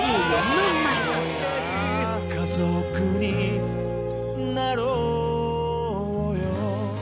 家族になろうよ